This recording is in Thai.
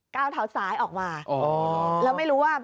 ก้าวเท้าซ้ายออกมาแล้วไม่รู้ว่า